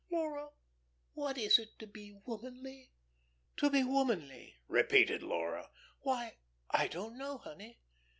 Laura, what is it to be womanly?" "To be womanly?" repeated Laura. "Why, I don't know, honey.